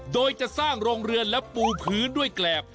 โดยจะสร้างโรงเรือนและปูพื้นด้วยแกรบ